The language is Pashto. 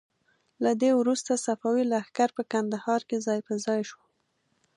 له دې وروسته صفوي لښکر په کندهار کې ځای په ځای شو.